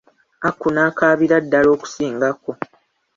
Aku n'akaabira ddala okusingako.